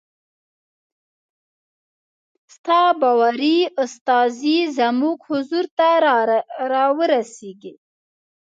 ستا باوري استازی زموږ حضور ته را ورسیږي.